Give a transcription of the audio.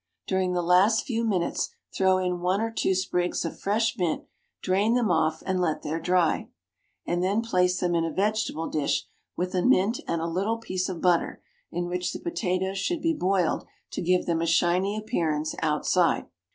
During the last few minutes throw in one or two sprigs of fresh mint, drain them off and let there dry, and then place them in a vegetable dish with the mint and a little piece of butter, in which the potatoes should be boiled to give them a shiny appearance outside.